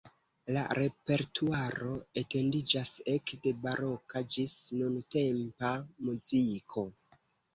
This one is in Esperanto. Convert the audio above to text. La repertuaro etendiĝas ekde baroka ĝis nuntempa muziko.